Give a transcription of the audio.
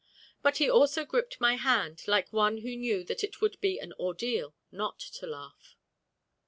But he also gripped my hand, like one who knew that it would be an ordeal not to laugh.